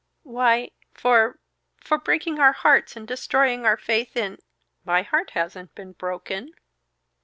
"Why for for breaking our hearts and destroying our faith in " "My heart hasn't been broken."